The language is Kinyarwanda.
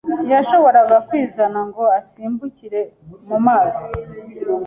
Ntiyashoboraga kwizana ngo asimbukire mu mazi.